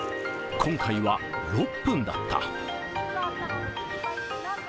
今回は６分だった。